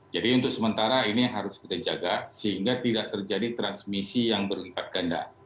jadi untuk sementara ini harus kita jaga sehingga tidak terjadi transmisi yang berlipat ganda